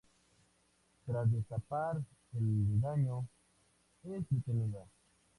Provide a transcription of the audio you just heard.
Tras destapar el engaño, es detenida.